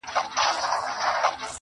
د تورو شپو پر تك تور تخت باندي مــــــا,